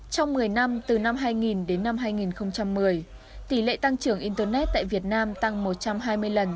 trong một mươi năm từ năm hai nghìn đến năm hai nghìn một mươi tỷ lệ tăng trưởng internet tại việt nam tăng một trăm hai mươi lần